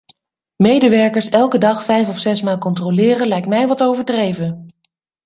Medewerkers elke dag vijf of zes maal controleren lijkt mij wat overdreven!